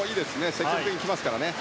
積極的に来ていますからね。